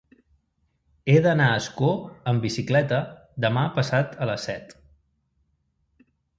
He d'anar a Ascó amb bicicleta demà passat a les set.